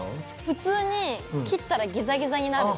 普通に切ったらギザギザになる。